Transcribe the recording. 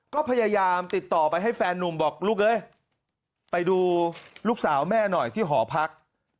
ก็พยายามติดต่อไปให้แฟนนุ่มบอกลูกเอ้ยไปดูลูกสาวแม่หน่อยที่หอพัก